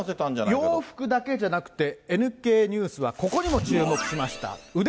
洋服だけじゃなくて、ＮＫニュースはここにも注目しました。